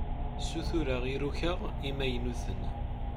Ssutreɣ iruka imaynuten.